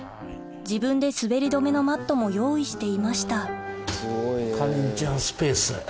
自分で滑り止めのマットも用意していましたかりんちゃんスペース。